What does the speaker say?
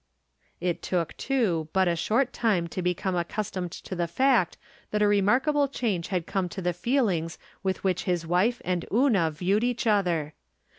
" It took, too, but a short time to become accus tomed to the fact that a remarkable change had come to the feelings with which his wife and Una viewed each other.